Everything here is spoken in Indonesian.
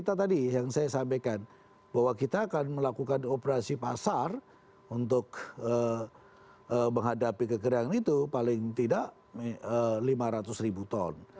itu tadi yang saya sampaikan bahwa kita akan melakukan operasi pasar untuk menghadapi kekeringan itu paling tidak lima ratus ribu ton